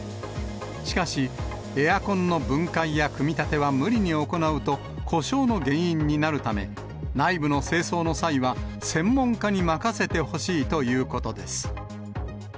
しかし、エアコンの分解や組み立ては無理に行うと、故障の原因になるため、内部の清掃の際は、専門家に任せてほしいということです。